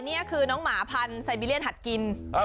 นี่คือน้องหมาพันธุ์ไซบีเรียนหัดกิน